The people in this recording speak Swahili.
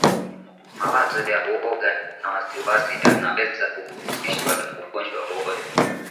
mawazo ya uoga na wasiwasi yanaweza kuhusishwa na ugonjwa wowote